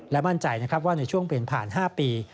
และมั่นใจนะครับว่าในช่วงเปลี่ยนผ่าน๕ปี